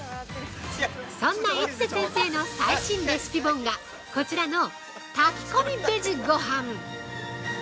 そんな市瀬先生の最新レシピ本がこちらの「炊き込みベジごはん」◆